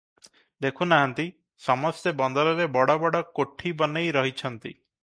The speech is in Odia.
ଦେଖୁ ନାହାନ୍ତି, ସମସ୍ତେ ବନ୍ଦରରେ ବଡ଼ ବଡ଼ କୋଠି ବନେଇ ରହିଛନ୍ତି ।